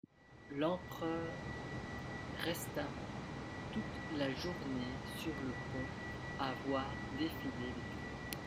L'empereur resta toute la journée sur le pont à voir défiler les troupes.